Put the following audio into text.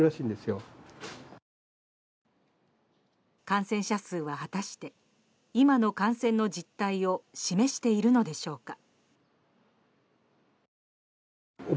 感染者数は果たして今の感染の実態を示しているのでしょうか。